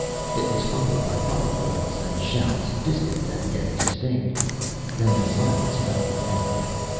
It was followed by other wails and shouts, distant and yet distinct. Then the silence fell again.